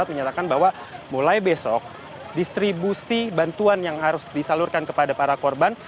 menyatakan bahwa mulai besok distribusi bantuan yang harus disalurkan kepada para korban